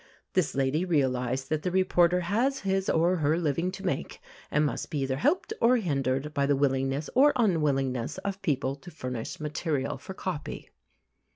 This lady realized that the reporter has his or her living to make, and must be either helped or hindered by the willingness or unwillingness of people to furnish material for copy.